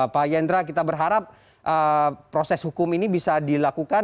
pak yandra kita berharap proses hukum ini bisa dilakukan